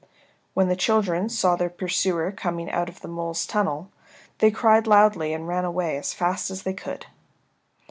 When the children saw their pursuer coming out of the moles' tunnel they cried loudly and ran away as fast as they could.